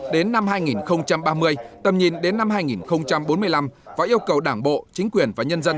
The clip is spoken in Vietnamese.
đến năm hai nghìn ba mươi tầm nhìn đến năm hai nghìn bốn mươi năm và yêu cầu đảng bộ chính quyền và nhân dân